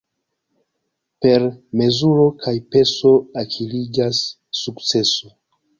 Per mezuro kaj peso akiriĝas sukceso.